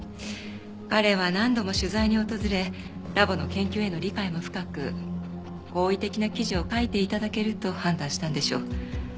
彼は何度も取材に訪れラボの研究への理解も深く好意的な記事を書いて頂けると判断したんでしょう。